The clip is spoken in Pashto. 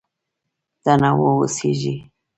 تنوع اوسېږي.